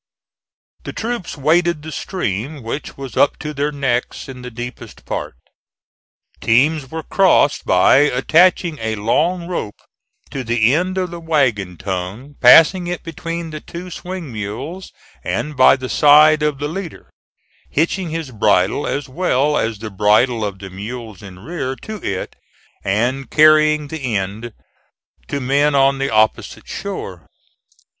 The troops waded the stream, which was up to their necks in the deepest part. Teams were crossed by attaching a long rope to the end of the wagon tongue passing it between the two swing mules and by the side of the leader, hitching his bridle as well as the bridle of the mules in rear to it, and carrying the end to men on the opposite shore.